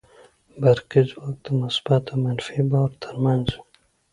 برقي ځواک د مثبت او منفي بار تر منځ وي.